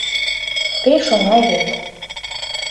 Пеш оҥай вет!